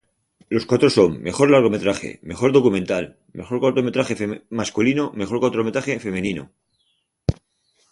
Los cuatro son Mejor largometraje, Mejor documental, Mejor cortometraje masculino, Mejor cortometraje femenino.